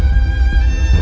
nah siapa lagi teman